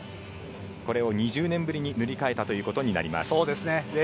これを２０年ぶりに塗り替えたということになります。